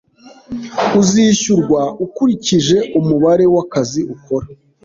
Uzishyurwa ukurikije umubare wakazi ukora.